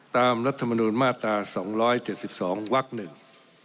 ตามรัฐมนูลมาตรา๒๗๒วักหนึ่ง